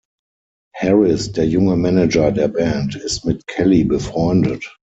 Harris, der junge Manager der Band, ist mit Kelly befreundet.